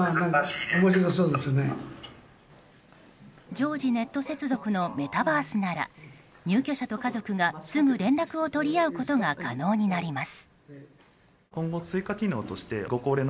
常時ネット接続のメタバースなら入居者と家族がすぐ連絡を取り合うことが可能になります。